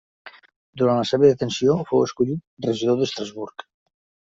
Durant la seva detenció fou escollit regidor d'Estrasburg.